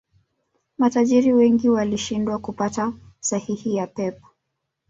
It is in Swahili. Matajiri wengi walishindwa kupata sahihi ya Pep